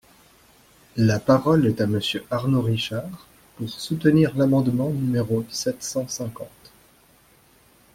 La parole est à Monsieur Arnaud Richard, pour soutenir l’amendement numéro sept cent cinquante.